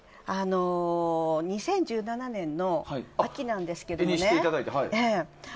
２０１７年の秋なんですけどね。